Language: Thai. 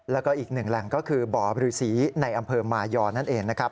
แล้วก็อีกหนึ่งแหล่งก็คือบ่อบรือสีในอำเภอมายอนั่นเองนะครับ